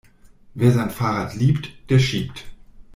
Wer sein Fahrrad liebt, der schiebt.